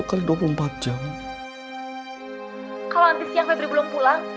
kalo abis siang febri belum pulang